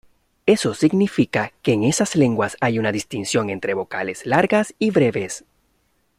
Eso significa que en esas lenguas hay una distinción entre vocales largas y breves.